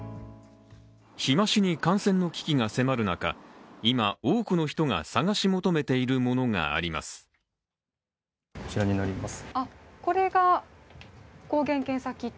日増しに感染の危機が迫る中、今、多くの人が探し求めているものがあります。